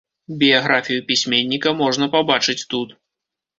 Біяграфію пісьменніка можна пабачыць тут.